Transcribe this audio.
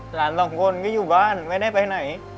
หลานสองคนก็อยู่บ้านไม่ได้ไปไหน